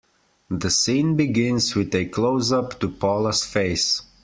The scene begins with a closeup to Paula's face.